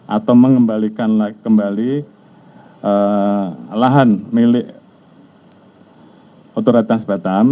atau mengembalikan kembali lahan milik otoritas batam